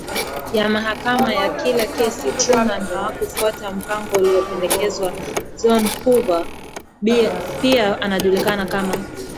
ya mahakama ya kila kesi Truman hawakufuata mpango uliopendekezwaDzhon Guver pia anajulikana kama